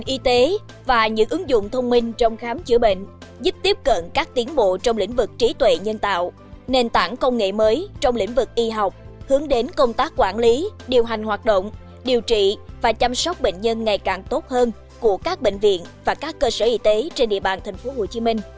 y tế và những ứng dụng thông minh trong khám chữa bệnh giúp tiếp cận các tiến bộ trong lĩnh vực trí tuệ nhân tạo nền tảng công nghệ mới trong lĩnh vực y học hướng đến công tác quản lý điều hành hoạt động điều trị và chăm sóc bệnh nhân ngày càng tốt hơn của các bệnh viện và các cơ sở y tế trên địa bàn tp hcm